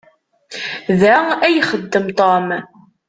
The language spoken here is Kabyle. Da ay ixeddem Tom?